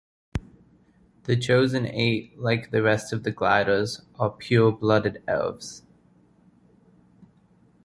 The Chosen Eight, like the rest of the Gliders, are pure-blooded elves.